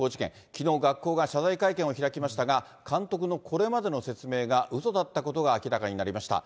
きのう、学校が謝罪会見を開きましたが、監督のこれまでの説明がうそだったことが明らかになりました。